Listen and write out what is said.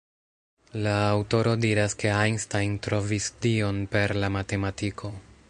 La aŭtoro diras ke Einstein trovis Dion per la matematiko.